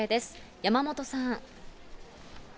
山本さん。